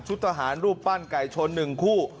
ทหารรูปปั้นไก่ชน๑คู่